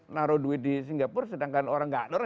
naruh duit di singapura sedangkan orang nggak ada orang